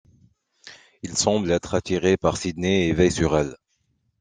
Il semble être attiré par Sidney et veille sur elle.